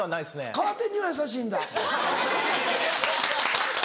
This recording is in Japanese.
カーテンには優しいんだ。